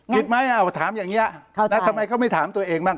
ผิดไหมถามอย่างนี้ทำไมเขาไม่ถามตัวเองบ้าง